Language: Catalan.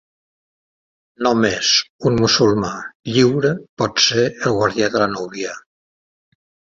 Només un musulmà lliure pot ser el guardià de la núvia.